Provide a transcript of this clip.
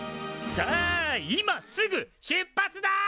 さあ今すぐ出発だ！